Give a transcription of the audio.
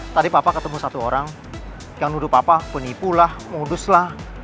tadi papa ketemu satu orang yang nuduh papa penipu lah modus lah